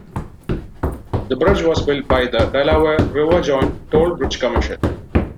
The bridge was built by the Delaware River Joint Toll Bridge Commission.